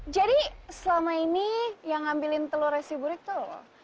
jadi selama ini yang ngambilin telur resi burik tuh